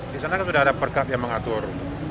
di sana sudah ada perkat yang mengatur